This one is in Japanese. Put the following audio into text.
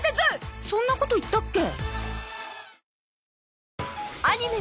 そんなこと言ったっけ？